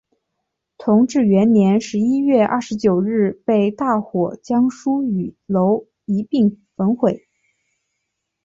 同治元年十一月二十九日被大火将书与楼一并焚毁。